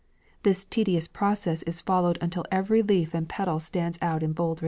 This tedious process is followed until every leaf and petal stands out in bold relief.